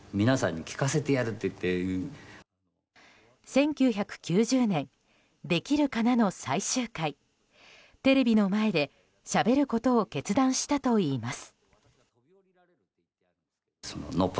１９９０年「できるかな」の最終回テレビの前でしゃべることを決断したといいます。